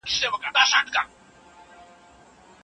آیا تاسي د شاتو د مچیو روزنه هم کوئ؟